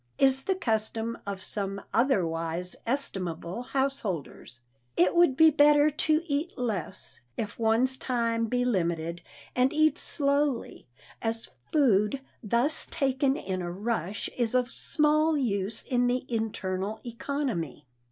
is the custom of some otherwise estimable householders. It would be better to eat less, if one's time be limited, and eat slowly, as food thus taken in a rush is of small use in the internal economy.